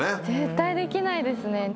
絶対できないですね。